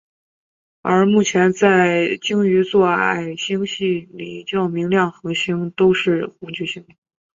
而目前在鲸鱼座矮星系里较明亮恒星都是红巨星。